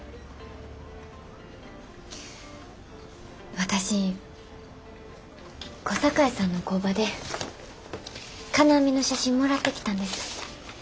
私小堺さんの工場で金網の写真もらってきたんです。